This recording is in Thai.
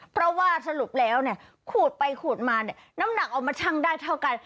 เพราะว่าสรุปแล้วเนี่ยขูดไปขูดมาน้ำหนักออกมาชั่งได้เท่ากัน